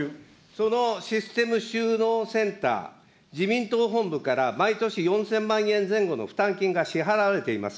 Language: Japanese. そのシステム収納センター、自民党本部から毎年４０００万円前後の負担金が支払われています。